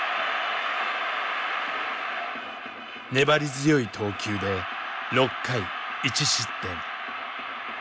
粘り強い投球で６回１失点。